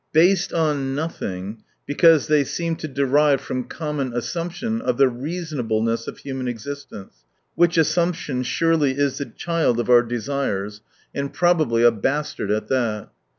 —" Based on nothing," because they seem to derive from common assumption of the reasonableness of human existence, which assumption surely is the child of our desires, and probably a G 97 bastard at that